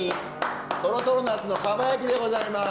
とろとろナスのかば焼きでございます。